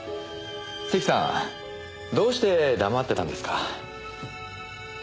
関さんどうして黙ってたんですか？